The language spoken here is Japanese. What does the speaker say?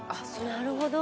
なるほど。